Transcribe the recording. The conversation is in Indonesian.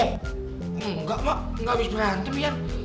enggak mak enggak abis berantem yan